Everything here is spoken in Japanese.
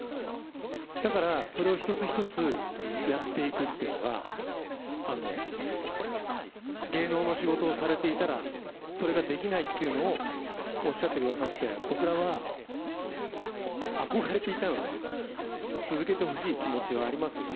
だからそれを１つ１つやっていくのが芸能の仕事をされていたらそれができないというのをおっしゃってくださって僕らは憧れていたので続けてほしい気持ちはありますが